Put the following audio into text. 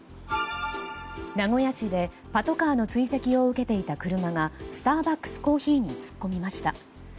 名古屋市でパトカーの追跡を受けていた車がスターバックスコーヒーに突っ込みました。